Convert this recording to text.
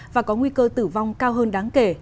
và có nguy cơ tử vong cao hơn đáng kể